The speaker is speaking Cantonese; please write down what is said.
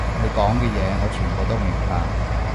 你講嘅嘢，我全部都明白